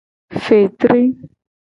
Fetri.